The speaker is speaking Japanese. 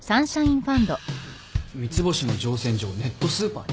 三ツ星の造船所をネットスーパーに？